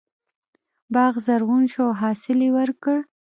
باغ زرغون شو او حاصل یې ورکړ.